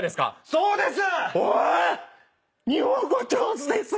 そうです。